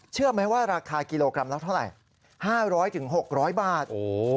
เชื่อไหมว่าราคากิโลกรัมแล้วเท่าไหร่ห้าร้อยถึงหกร้อยบาทโอ้